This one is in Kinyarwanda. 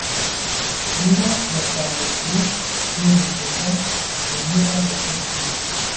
imbwa yakandagiye yerekeza ku mpera ya pisine.